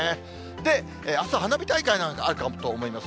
で、あす花火大会があるかと思います。